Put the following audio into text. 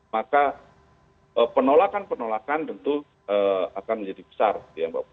maka penolakan penolakan tentu akan menjadi besar ya mbak